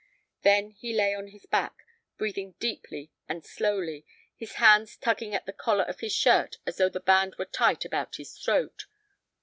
Then he lay on his back, breathing deeply and slowly, his hands tugging at the collar of his shirt as though the band were tight about his throat.